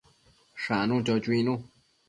Shanu, cho chuinu